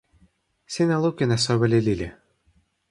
sina lukin e soweli lili.